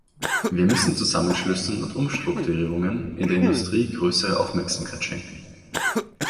Wir müssen Zusammenschlüssen und Umstrukturierungen in der Industrie größere Aufmerksamkeit schenken.